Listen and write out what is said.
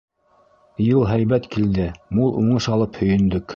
Йыл һәйбәт килде, мул уңыш алып һөйөндөк.